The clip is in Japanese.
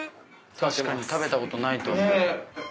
確かに食べたことないと思う。